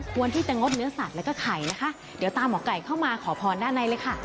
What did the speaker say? ควรที่จะงดเนื้อสัตว์แล้วก็ไข่นะคะเดี๋ยวตามหมอไก่เข้ามาขอพรด้านในเลยค่ะ